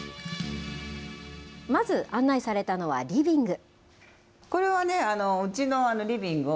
まず案内されたのはリビング。